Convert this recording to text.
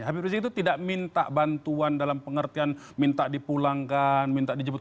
habib rizik itu tidak minta bantuan dalam pengertian minta dipulangkan minta dijemput